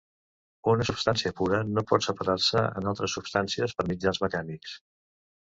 Una substància pura no pot separar-se en altres substàncies per mitjans mecànics.